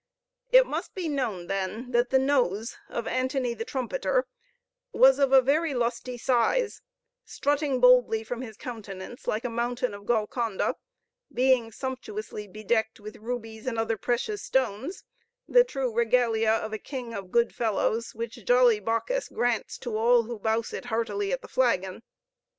It must be known then that the nose of Antony the Trumpeter was of a very lusty size, strutting boldly from his countenance like a mountain of Golconda, being sumptuously bedecked with rubies and other precious stones, the true regalia of a king of good fellows, which jolly Bacchus grants to all who bouse it heartily at the flagon.